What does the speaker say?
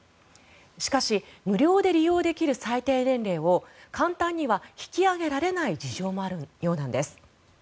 しかし、無料で利用できる最低年齢を簡単には引き上げられない事情もあるようなんです。